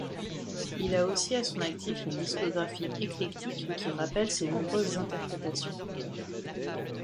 Il a aussi à son actif une discographie éclectique qui rappelle ses nombreuses interprétations.